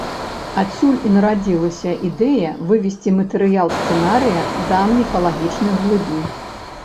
Адсюль і нарадзілася ідэя вывесці матэрыял сцэнарыя да міфалагічных глыбінь.